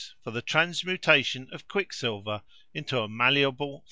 For the transmutation of quicksilver into a malleable fine metal.